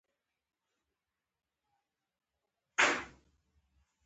د ایران پاچا په تحریک او د مالکم په طلاوو عملی شول.